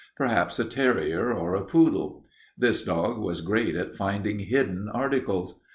Perhaps a terrier or a poodle. This dog was great at finding hidden articles.